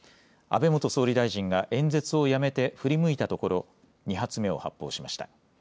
安倍元総理大臣が演説をやめて振り向いたところ、２発目を発表しました。